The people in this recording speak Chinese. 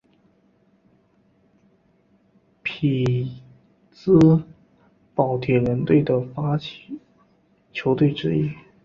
匹兹堡铁人队的发起球队之一。